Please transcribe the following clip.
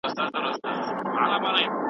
د ماهيپر سيلۍ پې ځان بدناموينه